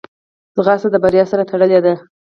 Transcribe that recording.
ځغاسته د بریا سره تړلې ده